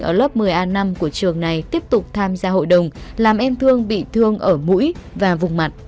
sau đó một nhóm học sinh ở lớp một mươi a năm của trường này tiếp tục tham gia hội đồng làm em thương bị thương ở mũi và vùng mặt